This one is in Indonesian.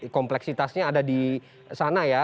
kompleksitasnya ada di sana ya